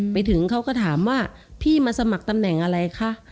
ไปถึงเขาก็ถามว่าพี่มาสมัครตำแหน่งอะไรคะ